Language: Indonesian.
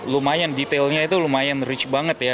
lumayan detailnya itu lumayan rich banget ya